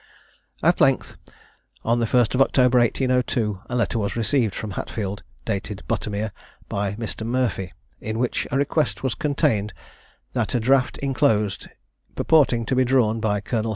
At length, on the 1st October 1802, a letter was received from Hatfield, dated Buttermere, by Mr. Murphy, in which a request was contained that a draft inclosed, purporting to be drawn by Col.